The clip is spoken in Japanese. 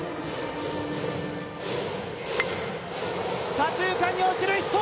左中間に落ちるヒット！